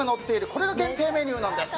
これが限定メニューなんです。